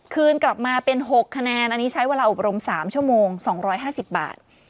คืนกลับมาเป็น๖คะแนนอันนี้ใช้เวลาอบรม๓ชั่วโมง๒๕๐บาท